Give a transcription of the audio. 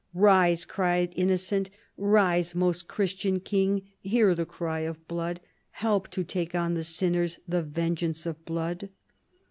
"Kise," cried Innocent, "rise, most Christian king. Hear the cry of blood. Help to take on the sinners the vengeance of blood."